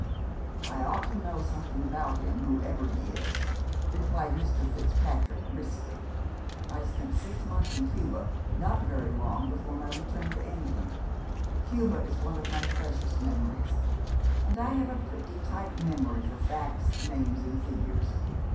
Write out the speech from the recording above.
'I ought to know something about him, whoever he is,' replied Mr. Fitzpatrick, briskly. 'I spent six months in Cuba not very long before my return to England. Cuba is one of my freshest memories; and I have a pretty tight memory for facts, names and figures.